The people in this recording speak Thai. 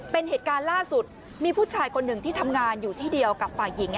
เป็นเหตุการณ์ล่าสุดมีผู้ชายคนหนึ่งที่ทำงานอยู่ที่เดียวกับฝ่ายหญิง